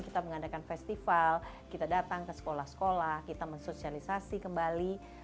kita mengadakan festival kita datang ke sekolah sekolah kita mensosialisasi kembali